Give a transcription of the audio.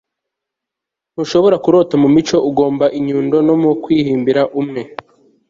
ntushobora kurota mu mico; ugomba inyundo no kwihimbira umwe